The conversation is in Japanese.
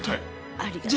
ありがとね。